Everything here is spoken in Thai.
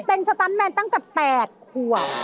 เป็นสตันแมนตั้งแต่๘ขวบ